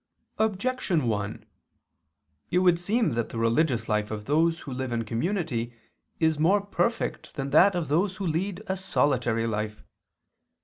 Objection 1: It would seem that the religious life of those who live in community is more perfect than that of those who lead a solitary life.